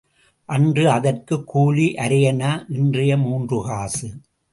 அன்று அதற்குக் கூலி அரையணா இன்றைய மூன்று காசு.